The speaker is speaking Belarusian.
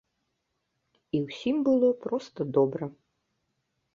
І ўсім было проста добра.